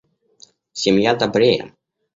Семья добрее.